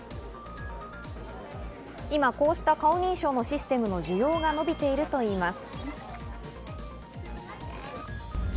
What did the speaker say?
今こうした顔認証のシステムの需要が伸びているといいます。